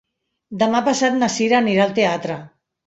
Demà passat na Cira anirà al teatre.